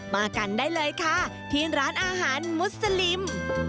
มากันได้เลยค่ะที่ร้านอาหารมุสลิม